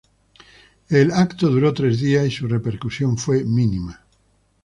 El evento duró tres días y su repercusión fue mínima.